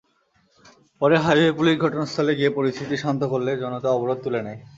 পরে highway police ঘটনাস্থলে গিয়ে পরিস্থিতি শান্ত করলে জনতা অবরোধ তুলে নেয়।